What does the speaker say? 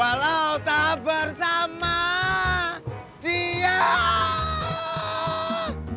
emang gak ada lagu yang lain